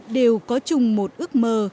đều có chung một ước mơ